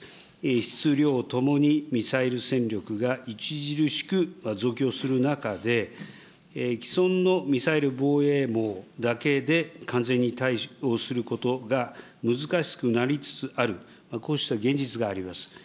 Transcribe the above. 質、量ともにミサイル戦力が著しく増強する中で、既存のミサイル防衛網だけで完全に対応することが難しくなりつつある、こうした現実があります。